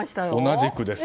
同じくです。